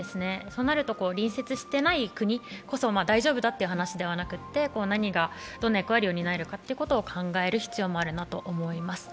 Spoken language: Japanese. そうなると隣接していない国こそ大丈夫だという話ではなくて何がどんな役割を担えるかを考える必要があると思います。